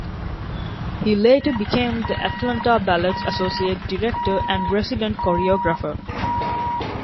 He later became the Atlanta Ballet's associate director and resident choreographer.